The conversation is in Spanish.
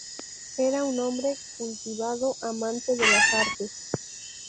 Era un hombre cultivado, amante de las artes.